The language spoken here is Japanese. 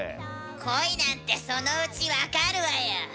恋なんてそのうち分かるわよ。